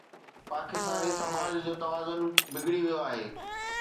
پاڪستاني سماج جو توازن بگڙي ويو آهي.